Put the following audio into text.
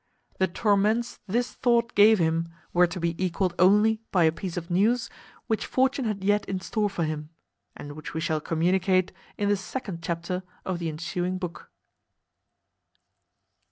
The torments this thought gave him were to be equalled only by a piece of news which fortune had yet in store for him, and which we shall communicate in the second chapter of the ensuing book.